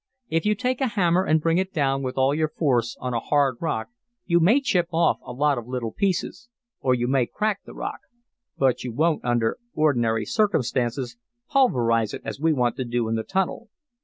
"If you take a hammer and bring it down with all your force on a hard rock you may chip off a lot of little pieces, or you may crack the rock, but you won't, under ordinary circumstances, pulverize it as we want to do in the tunnel.